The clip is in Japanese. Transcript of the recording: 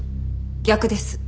逆です。